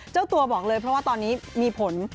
เจ้าตัวบอกเลยเพราะว่าตอนนี้มีผล